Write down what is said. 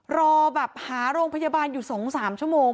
รอแบบหาโรงพยาบาลอยู่๒๓ชั่วโมง